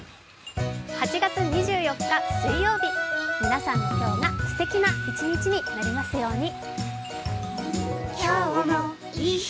８月２４日水曜日皆さんの今日がすてきな一日になりますように。